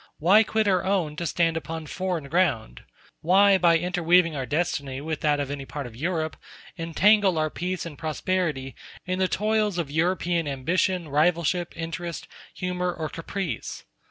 Why quit our own to stand upon foreign ground? Why, by interweaving our destiny with that of any part of Europe, entangle our peace and prosperity in the toils of European ambition, rivalship, interest, humor, or caprice?